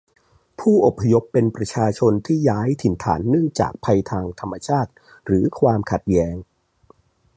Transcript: ผู้อพยพเป็นประชาชนที่ย้ายถิ่นฐานเนื่องจากภัยทางธรรมชาติหรือความขัดแย้ง